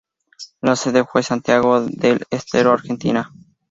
La sede fue Santiago del Estero, Argentina.